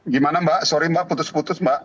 gimana mbak sorry mbak putus putus mbak